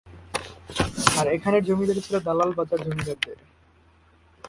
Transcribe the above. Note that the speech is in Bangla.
আর এখানের জমিদারী ছিল দালাল বাজার জমিদারদের।